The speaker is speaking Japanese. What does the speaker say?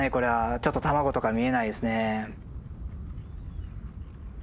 ちょっと卵とか見えないですね。